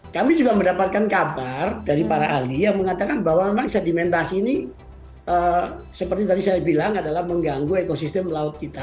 kami juga mendapatkan kabar dari para ahli yang mengatakan bahwa memang sedimentasi ini seperti tadi saya bilang adalah mengganggu ekosistem laut kita